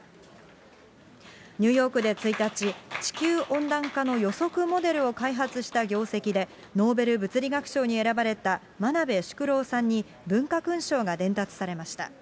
ニューヨークで１日、地球温暖化の予測モデルを開発した業績で、ノーベル物理学賞に選ばれた真鍋淑郎さんに、文化勲章が伝達されました。